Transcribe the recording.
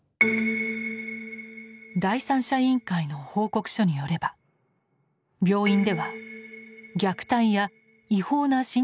第三者委員会の報告書によれば病院では虐待や違法な身体拘束が横行。